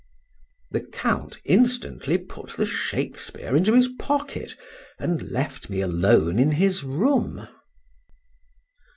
The Count instantly put the Shakespeare into his pocket, and left me alone in his room.